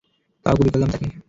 তাও গুলি করলাম তাকে।